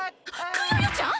クヨヨちゃん！？